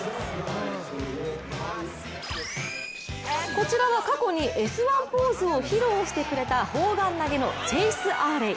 こちらは過去に「Ｓ☆１」ポーズを披露してくれた砲丸投げのチェイス・アーレイ。